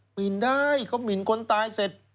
หิ่นได้เขาหมินคนตายเสร็จ